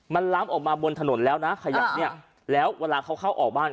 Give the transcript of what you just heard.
มันล้ำออกมาบนถนนแล้วนะขยะเนี่ยแล้วเวลาเขาเข้าออกบ้าน